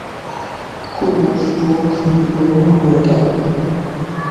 কুমুর মুখ বিবর্ণ হয়ে গেল।